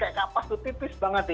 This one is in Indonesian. kayak kapas tuh tipis banget ya